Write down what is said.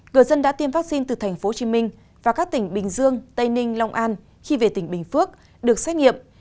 người dân đã tiêm vaccine từ tp hcm và các tỉnh bình dương tây ninh long an khi về tỉnh bình phước được xét nghiệm